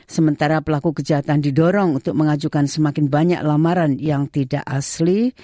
sementara pelaku kejahatan didorong untuk mengajukan semakin banyak lamaran yang tidak asli